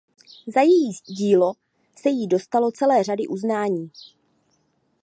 Za její dílo se jí dostalo celé řady uznání.